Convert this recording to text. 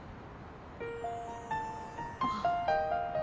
あっ。